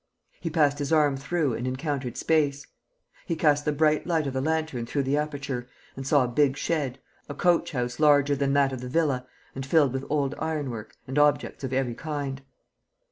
He passed his arm through and encountered space. He cast the bright light of the lantern through the aperture and saw a big shed, a coach house larger than that of the villa and filled with old iron work and objects of every kind.